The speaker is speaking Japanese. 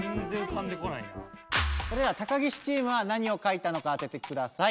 それでは高岸チームは何をかいたのか当ててください。